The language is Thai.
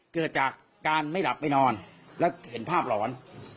เกิดจากการไม่หลับไปนอนแล้วเห็นภาพหลอน